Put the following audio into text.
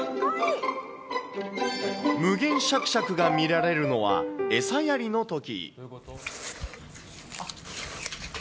無限しゃくしゃくが見られるのは、餌やりのとき。